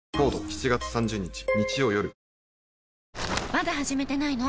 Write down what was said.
まだ始めてないの？